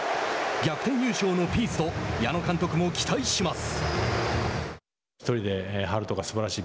「逆転優勝のピース」と矢野監督も期待します。